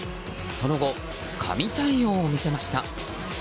その後、神対応を見せました。